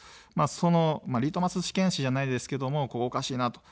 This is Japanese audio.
そのリトマス試験紙じゃないですけど、ここおかしいなと。